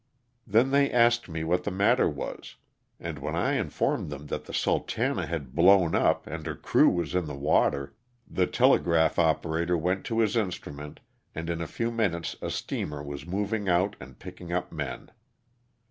Then they asked me what the matter was, and when I informed them the "Sultana" had blown up and her crew was in the water, the tele graph operator went to his instrument and in a few minutes a steamer was moving out and picking up men.